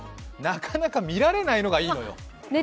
なかなか見られないのがいいのよ。